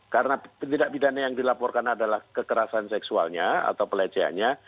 karena tidak bidanianya yang dilaporkan adalah kekerasan seksualnya atau pelecehannya